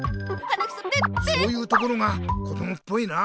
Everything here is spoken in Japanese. そういうところがこどもっぽいな。